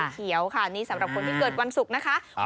เขียวค่ะนี่สำหรับคนที่เกิดวันศุกร์นะคะ